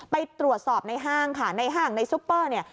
ไปตรวจสอบในห้างค่ะในห้างในซุปเปอร์เนี่ย